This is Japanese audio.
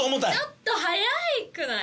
ちょっと早くない？